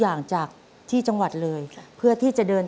ทำงานชื่อนางหยาดฝนภูมิสุขอายุ๕๔ปี